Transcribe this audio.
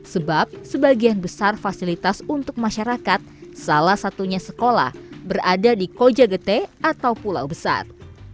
sebab sebagian besar fasilitas untuk masyarakat salah satunya sekolah berada di koja gete atau pulau besar